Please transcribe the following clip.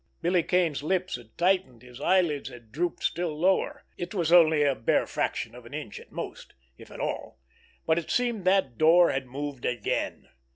Billy Kane's lips had tightened, his eyelids had drooped still lower. It was only a bare fraction of an inch at most—if at all—but it seemed that door had moved again.